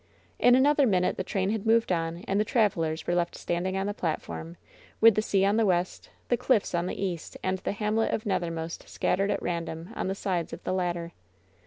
In another minute the train had moved on, and the travelers were left standing on the platform, with the sea on the west, the cliffs on the east, and the hamlet of Nethermost scattered at random on the sides of the latter.